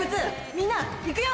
みんな行くよ！